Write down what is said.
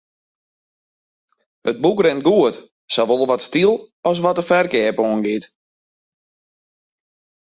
It boek rint goed, sawol wat styl as wat de ferkeap oangiet.